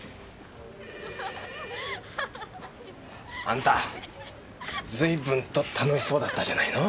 あんた随分と楽しそうだったじゃないの。